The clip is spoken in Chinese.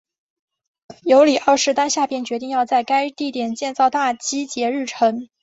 尤里二世当下便决定要在该地点建造大基捷日城。